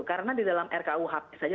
karena di dalam rkuhp saja